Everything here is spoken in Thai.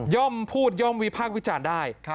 พูดย่อมวิพากษ์วิจารณ์ได้